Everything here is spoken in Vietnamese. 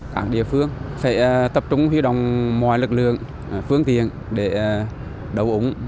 các địa phương phải tập trung huyết động mọi lực lượng phương tiện để đấu ống